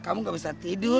kamu nggak bisa tidur